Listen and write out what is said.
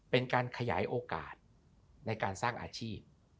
เป็นการขยายโอกาสในการสร้างอาชีพ